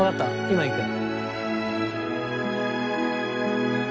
今行く。